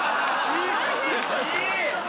・いい！